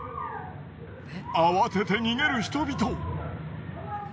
慌てて逃げる人々。